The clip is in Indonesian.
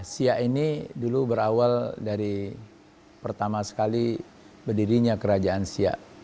siak ini dulu berawal dari pertama sekali berdirinya kerajaan siak